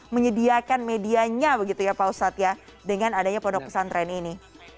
menyediakan medianya begitu ya pak ustadz ya dengan adanya pondok pesantren ini